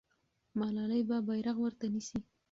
ملالۍ به بیرغ ورته نیسي.